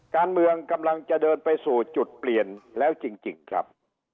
การเมืองกำลังจะเดินไปสู่จุดเปลี่ยนแล้วจริงครับ